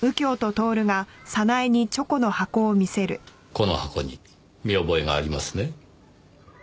この箱に見覚えがありますね？